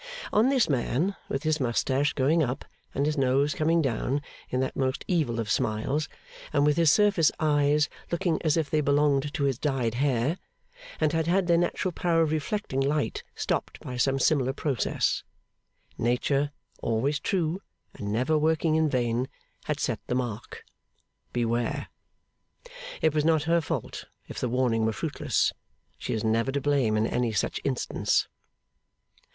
On this man, with his moustache going up and his nose coming down in that most evil of smiles, and with his surface eyes looking as if they belonged to his dyed hair, and had had their natural power of reflecting light stopped by some similar process, Nature, always true, and never working in vain, had set the mark, Beware! It was not her fault, if the warning were fruitless. She is never to blame in any such instance.